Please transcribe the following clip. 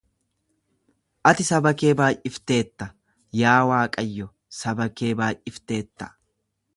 Ati saba kee baay'ifteetta, yaa Waaqayyo saba kee baay'ifteetta.